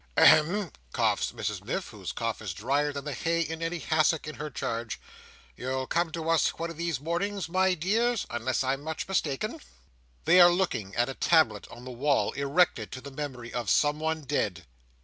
"Ahem," coughs Mrs Miff whose cough is drier than the hay in any hassock in her charge, "you'll come to us one of these mornings, my dears, unless I'm much mistaken!" They are looking at a tablet on the wall, erected to the memory of someone dead.